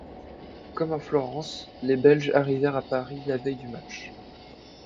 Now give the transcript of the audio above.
Comme à Florence, les Belges arrivèrent à Paris la veille du match.